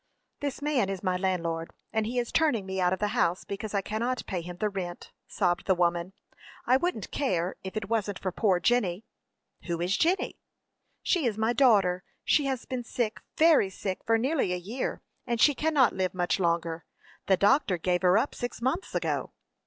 "This man is my landlord, and he is turning me out of the house because I cannot pay him the rent," sobbed the woman. "I wouldn't care, if it wasn't for poor Jenny." "Who is Jenny?" "She is my daughter. She has been sick, very sick, for nearly a year, and she cannot live much longer. The doctor gave her up six months ago."